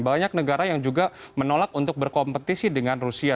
banyak negara yang juga menolak untuk berkompetisi dengan rusia